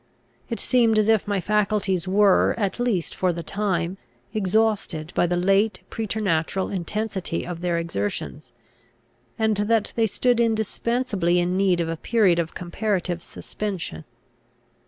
It seemed as if my faculties were, at least for the time, exhausted by the late preternatural intensity of their exertions, and that they stood indispensably in need of a period of comparative suspension.